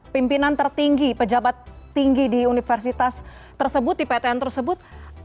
pimpinan tertinggi pejabat tinggi di universitas tersebut di ptn tersebut